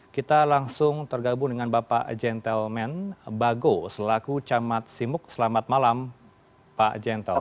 kita langsung tergabung dengan bapak gentleman bagho selaku camat simuk selamat malam pak gentle